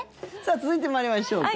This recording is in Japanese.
続いて参りましょうか。